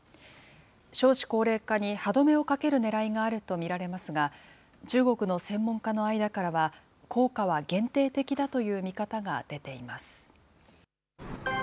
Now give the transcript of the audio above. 少子高齢化に歯止めをかけるねらいがあると見られますが、中国の専門家の間からは、効果は限定的だという見方が出ています。